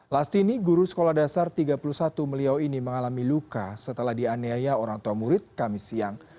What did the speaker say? lastini guru sekolah dasar tiga puluh satu meliau ini mengalami luka setelah dianiaya orang tua murid kami siang